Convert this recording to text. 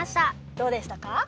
どうでしたか？